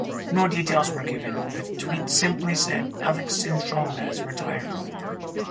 No details were given; the tweet simply said Alex Cintron has retired.